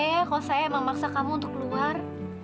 maafin saya ya kalau saya emang maksa kamu untuk keluar